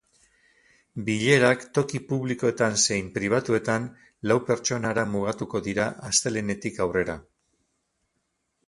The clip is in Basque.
Bilerak, toki publikoetan zein pribatuetan, lau pertsonara mugatuko dira astelehenetik aurrera.